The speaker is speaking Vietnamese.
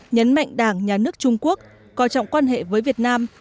nhấn mạnh đảng nhà nước trung quốc coi trọng quan hệ với việt nam